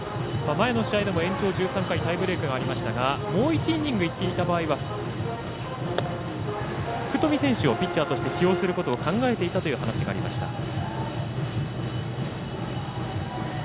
前の試合でも延長１３回タイブレークありましたがもう１イニングいっていた場合は福冨選手をピッチャーとして起用することを考えていたというお話がありました。